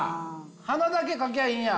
花だけ描きゃいいんや。